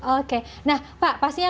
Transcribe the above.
oke nah pak pastinya